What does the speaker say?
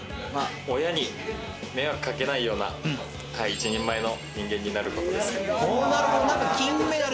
親に迷惑かけないような、一人前の人間になることです。